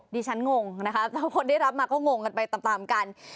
ดิฉันงงนะคะแต่พอได้รับมาก็งงกันไปตามกัน